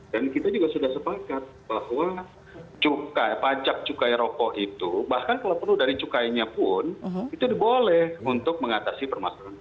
dan kita juga sudah sepakat bahwa cukai pajak cukai rokok itu bahkan kalau perlu dari cukainya pun itu boleh untuk mengatasi permasalahan